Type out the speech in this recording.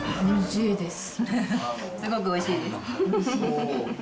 すごくおいしいです。